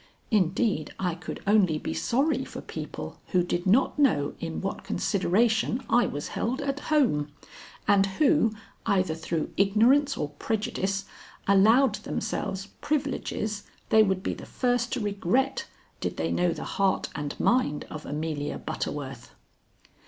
Indeed, I could only be sorry for people who did not know in what consideration I was held at home, and who, either through ignorance or prejudice, allowed themselves privileges they would be the first to regret did they know the heart and mind of Amelia Butterworth.